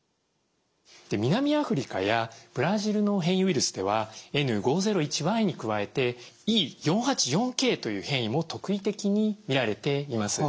南アフリカやブラジルの変異ウイルスではＮ５０１Ｙに加えてＥ４８４Ｋという変異も特異的に見られています。